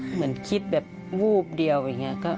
เหมือนคิดแบบวูบเดียวอย่างนี้